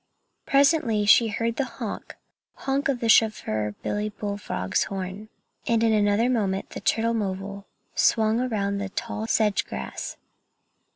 Presently she heard the honk, honk of chauffeur Billy Bullfrog's horn, and in another moment the turtlemobile swung around the tall sedge grass.